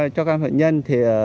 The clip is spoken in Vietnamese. cho căn phạm nhân